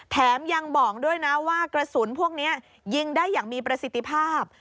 แถมยังบอกด้วยนะว่ากระสุนพวกนี้ยิงได้อย่างมีประสิทธิภาพ